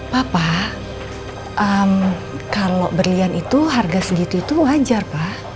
papa kalau berlian itu harga segitu itu wajar pak